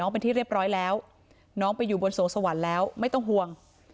เป็นที่เรียบร้อยแล้วน้องไปอยู่บนสวงสวรรค์แล้วไม่ต้องห่วง